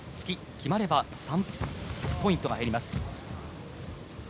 決まれば３ポイントが入ります。